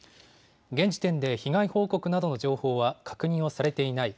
現時点で被害報告などの情報は確認をされていない。